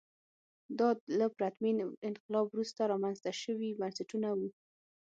دا له پرتمین انقلاب وروسته رامنځته شوي بنسټونه وو.